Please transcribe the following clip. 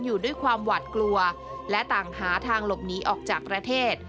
อยู่ด้วยความหวัดกลัวและต่างหาทางหลบหนีออกจากประเทศ